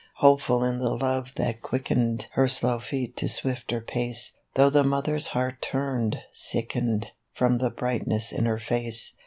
Hopeful in the love that quickened Her slow feet to swifter pace, Though the Mother's heart turned, sickened, From the brightness in her face.